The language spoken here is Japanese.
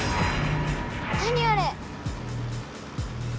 何あれ！